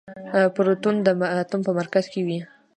پروتون د اتوم په مرکز کې وي.